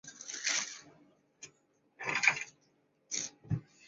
制作者拒绝透露自己的身份。